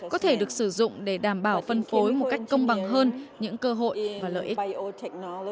có thể được sử dụng để đảm bảo phân phối một cách công bằng hơn những cơ hội và lợi ích